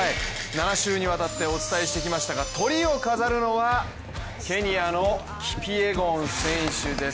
７週にわたってお伝えしてきましたがトリを飾るのはケニアのキピエゴン選手です。